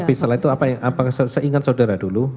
tapi setelah itu apa yang apa yang saya ingat saudara dulu